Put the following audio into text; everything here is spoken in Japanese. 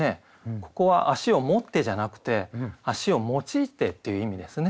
ここは足を持ってじゃなくて足を用いてという意味ですね。